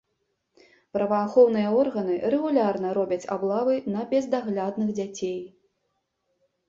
Праваахоўныя органы рэгулярна робяць аблавы на бездаглядных дзяцей.